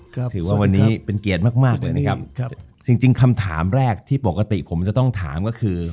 ก็ถือว่าวันนี้เป็นเกียรติมากมากเลยนะครับครับจริงจริงคำถามแรกที่ปกติผมจะต้องถามก็คือ